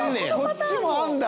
こっちもあるんだ？